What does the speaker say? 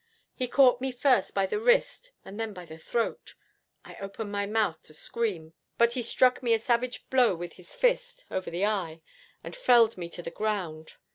He caught me first by the wrist and then by the throat. I opened my mouth to scream, but he struck me a savage blow with his fist over the eye, and felled me to the ground.